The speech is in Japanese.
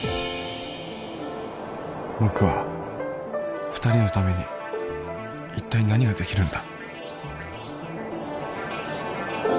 僕は二人のためにいったい何ができるんだ？